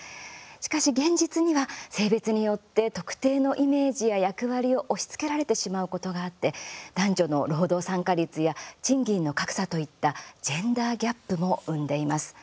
しかし、現実には性別によって特定のイメージや役割を押しつけられてしまうことがあって、男女の労働参加率や賃金の格差といったジェンダーギャップも生んでいます。